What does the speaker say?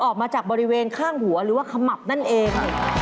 ออกมาจากบริเวณข้างหัวหรือว่าขมับนั่นเอง